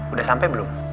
udah sampe belum